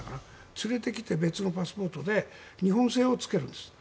連れてきて、別のパスポートで日本製をつけるんです。